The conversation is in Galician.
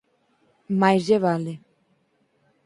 Máis lle vale.